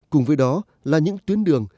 cùng với đó là những tuyến đường